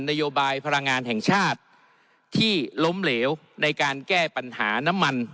นโยบายพลังงานแห่งชาติที่ล้มเหลวในการแก้ปัญหาน้ำมัน